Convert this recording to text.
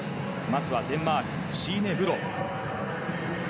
まずはデンマークシーネ・ブロ。